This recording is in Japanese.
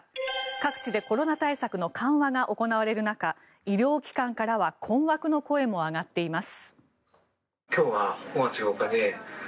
各地でコロナ対策の緩和が行われる中医療機関からは困惑の声も上がっています。